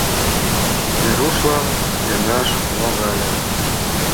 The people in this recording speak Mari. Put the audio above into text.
Верушлан кӧнаш логале.